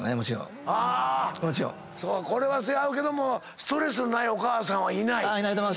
これはせやけどもストレスのないお母さんはいない。